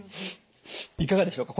いかがでしょうか？